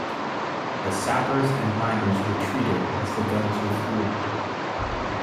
The Sappers and Miners retreated as the guns withdrew.